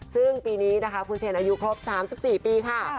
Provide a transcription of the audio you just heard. ซึ่งปีนี้นะคะคุณเชนอายุครบ๓๔ปีค่ะ